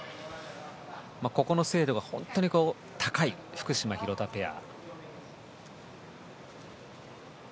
ここの精度が本当に高い福島、廣田ペア。